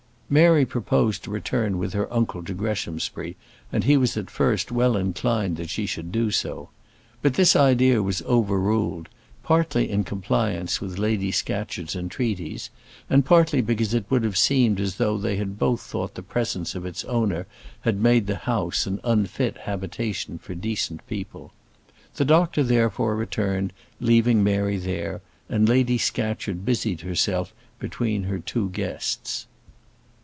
Mary proposed to return with her uncle to Greshamsbury, and he was at first well inclined that she should do so. But this idea was overruled, partly in compliance with Lady Scatcherd's entreaties, and partly because it would have seemed as though they had both thought the presence of its owner had made the house an unfit habitation for decent people. The doctor therefore returned, leaving Mary there; and Lady Scatcherd busied herself between her two guests.